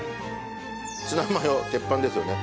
ツナマヨ鉄板ですよね。